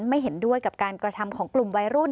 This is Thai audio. ไม่เห็นด้วยกับการกระทำของกลุ่มวัยรุ่น